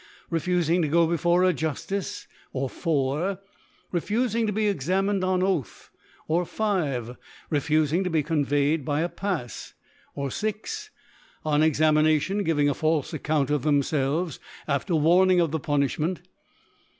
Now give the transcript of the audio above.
refufing to go before a Juftice, or, 4. refufing to be examined on Oath, or, 5. refufing to be conveyed by a Pafs, or, 6. on Examina tion giving a falfc Account of themfelves after Warning of the Punifliment.